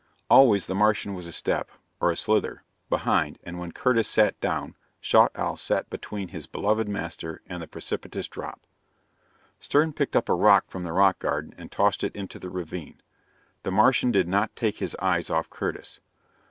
Always the Martian was a step or a slither behind, and when Curtis sat down, Schaughtowl sat between his beloved master and the precipitous drop. Stern picked up a rock from the rock garden and tossed it into the ravine. The Martian did not take his eyes off Curtis.